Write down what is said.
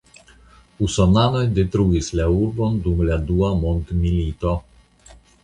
Usonanoj detruis la urbon dum la Dua Mondmilito.